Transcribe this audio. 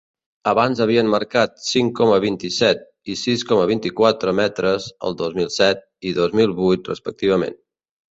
Abans havien marcat cinc coma vint-i-set i sis coma vint-i-quatre metres el dos mil set i dos mil vuit respectivament.